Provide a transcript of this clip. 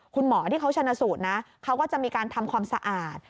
คุณหมอที่เขาชนะสูตรนะเขาก็จะมีการทำความสะอาด